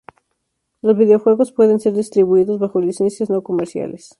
Los videojuegos pueden ser distribuidos bajo licencias no comerciales.